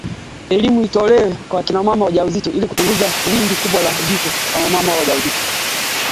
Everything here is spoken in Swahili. dhidi ya Rais Roch Kabore